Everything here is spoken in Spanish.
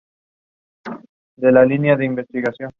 Escribió diversas odas con tintes patrióticos.